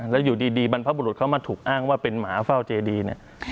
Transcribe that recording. แล้วอยู่ดีบรรพบุรุษเขามาถูกอ้างว่าเป็นหมาเฝ้าเจดีเนี่ย